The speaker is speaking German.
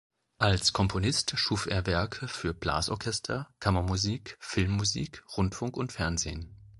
Als Komponist schuf er Werke für Blasorchester, Kammermusik, Filmmusik, Rundfunk und Fernsehen.